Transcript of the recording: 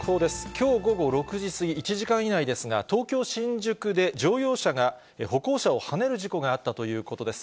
きょう午後６時過ぎ、１時間以内ですが、東京・新宿で乗用車が歩行者をはねる事故があったということです。